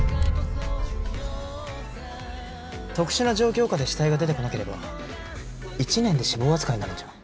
特殊な状況下で死体が出てこなければ１年で死亡扱いになるんじゃ？